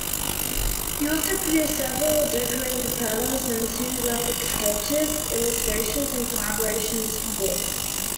He also produced several decorative panels, scenographic sketches, illustrations, and collaborations for books.